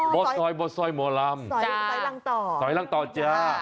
บอสอยโมล่ำจ้ารังต่อจ้า